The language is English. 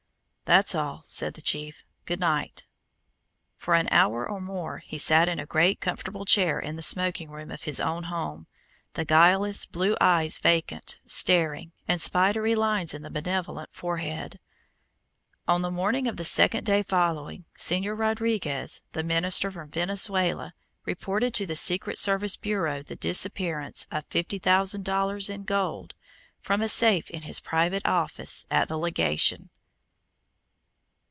"That's all," said the chief. "Good night." For an hour or more he sat in a great, comfortable chair in the smoking room of his own home, the guileless blue eyes vacant, staring, and spidery lines in the benevolent forehead. On the morning of the second day following, Señor Rodriguez, the minister from Venezuela, reported to the Secret Service Bureau the disappearance of fifty thousand dollars in gold from a safe in his private office at the legation.